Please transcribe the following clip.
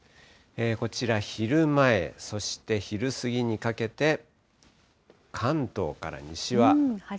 こちら、昼前、そして、昼過ぎにかけて、関東から西は。